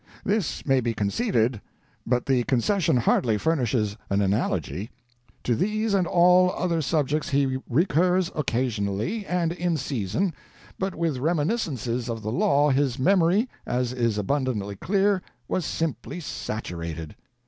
This may be conceded, but the concession hardly furnishes an analogy. To these and all other subjects he recurs occasionally, and in season, but with reminiscences of the law his memory, as is abundantly clear, was simply saturated.